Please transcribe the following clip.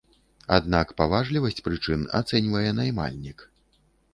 Аднак паважлівасць прычын ацэньвае наймальнік.